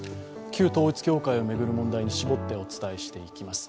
旧統一教会を巡る問題に絞ってお伝えしていきます。